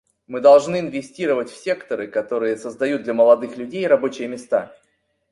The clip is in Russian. Мы должны инвестировать в секторы, которые создают для молодых людей рабочие места.